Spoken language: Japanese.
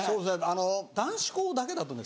あの男子校だけだとね